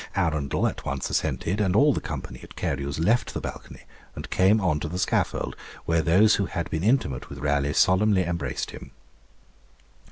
Arundel at once assented, and all the company at Carew's left the balcony, and came on to the scaffold, where those who had been intimate with Raleigh solemnly embraced him.